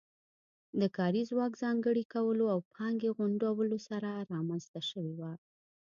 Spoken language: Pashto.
د کاري ځواک ځانګړي کولو او پانګې غونډولو سره رامنځته شوې وه